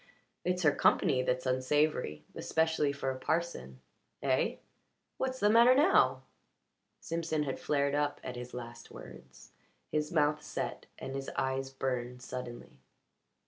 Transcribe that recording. It's her company that's unsavoury. Especially for a parson. Eh? What's the matter now?" Simpson had flared up at his last words. His mouth set and his eyes burned suddenly.